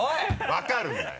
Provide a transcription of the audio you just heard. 分かるんだよ！